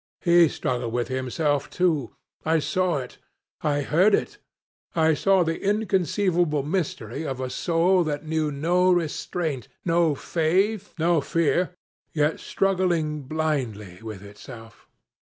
He struggled with himself, too. I saw it, I heard it. I saw the inconceivable mystery of a soul that knew no restraint, no faith, and no fear, yet struggling blindly with itself.